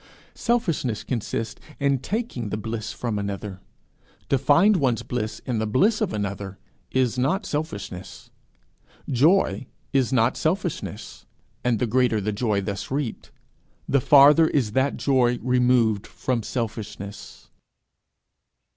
Selfishness consists in taking the bliss from another; to find one's bliss in the bliss of another is not selfishness. Joy is not selfishness; and the greater the joy thus reaped, the farther is that joy removed from selfishness.